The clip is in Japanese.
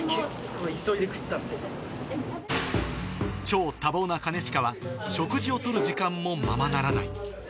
超多忙な兼近は食事を取る時間もままならない